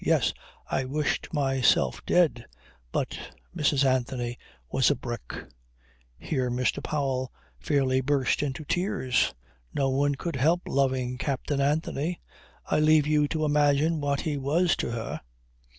Yes, I wished myself dead. But Mrs. Anthony was a brick. Here Mr. Powell fairly burst into tears. "No one could help loving Captain Anthony. I leave you to imagine what he was to her.